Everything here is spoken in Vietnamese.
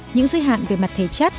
những dư hạn về mặt thể chất